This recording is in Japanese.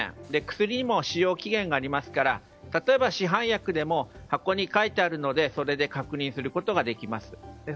薬にも使用期限がありますから、例えば市販薬でも箱に書いてあるのでそれで確認することができます。